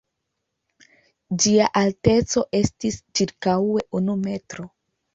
Ĝia alteco estis ĉirkaŭe unu metro.